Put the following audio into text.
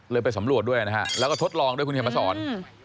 ไปสำรวจด้วยนะฮะแล้วก็ทดลองด้วยคุณเขียนมาสอน